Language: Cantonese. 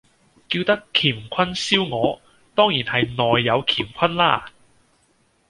叫得乾坤燒鵝，當然係內有乾坤啦